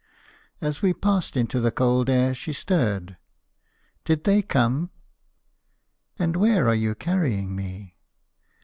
As we passed into the cold air she stirred. "Did they come? And where are you carrying me?"